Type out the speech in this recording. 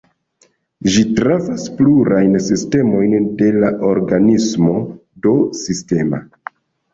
Ĝi trafas plurajn sistemojn de la organismo (do "sistema").